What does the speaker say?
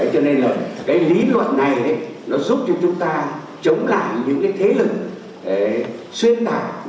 cho nên là cái lý luận này nó giúp cho chúng ta chống lại những cái thế lực xuyên tạc